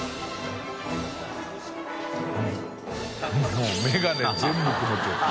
もうメガネ全部曇っちゃって。